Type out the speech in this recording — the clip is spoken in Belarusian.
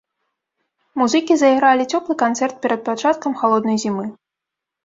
Музыкі зайгралі цёплы канцэрт перад пачаткам халоднай зімы.